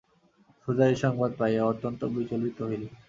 সুজা এই সংবাদ পাইয়া অত্যন্ত বিচলিত হইলেন।